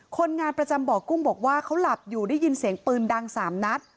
คนงานประจำบ่อกุ้งบอกว่าเขาหลับอยู่ได้ยินเสียงปืนดัง๓นัด